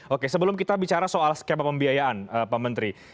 oke sebelum kita bicara soal skema pembiayaan pak menteri